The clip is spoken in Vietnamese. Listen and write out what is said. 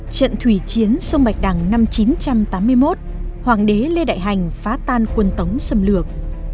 trận thủy chiến sông bạch đằng năm một nghìn chín trăm tám mươi một hoàng đế lê đại hành phá tan quân tống xâm lược